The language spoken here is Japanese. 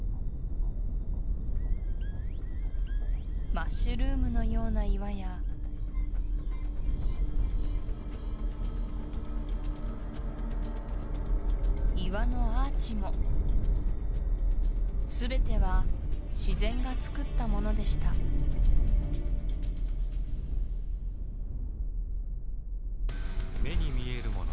マッシュルームのような岩や岩のアーチもすべては自然がつくったものでした目に見えるもの